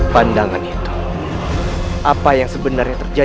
baik ayah anda